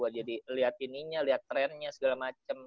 jadi liat ininya liat trendnya segala macem